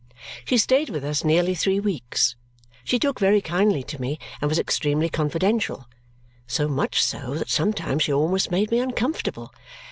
She stayed with us nearly three weeks. She took very kindly to me and was extremely confidential, so much so that sometimes she almost made me uncomfortable.